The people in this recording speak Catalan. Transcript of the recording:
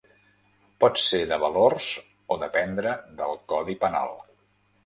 Pot ser de valors o dependre del codi penal.